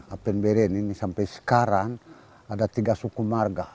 apen bayeren ini sampai sekarang ada tiga suku warga